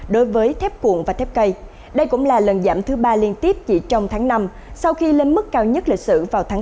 đối với thép cuộn và thép cây đây cũng là lần giảm thứ ba liên tiếp chỉ trong tháng năm sau khi lên mức cao nhất lịch sử vào tháng bốn